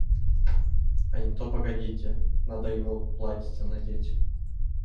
А не то погодите; надо ему платьице надеть.